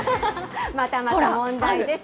またまた問題です。